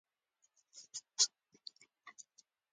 موږ يو له بل سره د اړتیا په وخت کې مرسته کوو.